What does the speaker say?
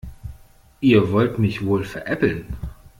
Ihr wollt mich wohl veräppeln.